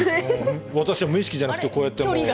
私は無意識じゃなくて、こうやっ距離が。